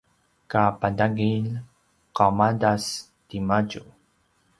kapatagilj qaumadas timadju